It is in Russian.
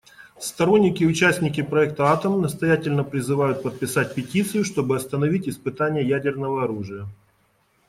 Сторонники и участники проекта "Атом" настоятельно призывают подписать петицию, чтобы остановить испытания ядерного оружия.